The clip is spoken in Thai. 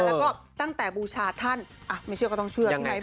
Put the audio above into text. แล้วก็ตั้งแต่บูชาท่านไม่เชื่อก็ต้องเชื่อใช่ไหม